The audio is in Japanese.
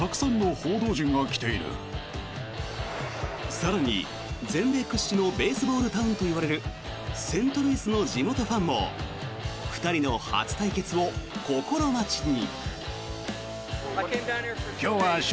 更に、全米屈指のベースボールタウンといわれるセントルイスの地元ファンも２人の初対決を心待ちに。